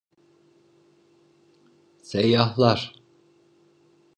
Seyyahlar.